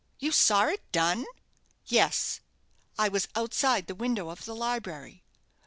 "You saw it done?" "Yes, I was outside the window of the library."